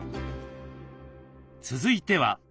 続いては。